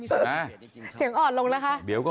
เสียงอ่อนลงแล้วค่ะ